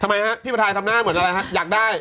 มีมีนะฮะพี่ปะทายทำหน้าหมดแล้วฮะอยากได้